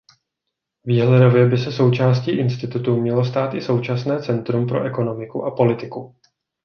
Výhledově by se součástí institutu mělo stát i současné Centrum pro ekonomiku a politiku.